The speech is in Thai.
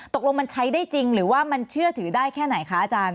ตกลงมันใช้ได้จริงหรือว่ามันเชื่อถือได้แค่ไหนคะอาจารย์